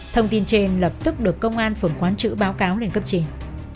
thông tin trên lập tức được công an phường quán chữ báo cáo lên cấp trình